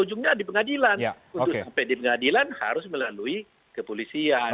untuk sampai di pengadilan harus melalui kepolisian